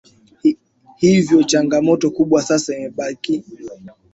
hivyo changamoto kubwa sasa limebakia